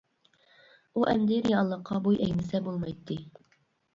ئۇ ئەمدى رېئاللىققا بوي ئەگمىسە بولمايتتى.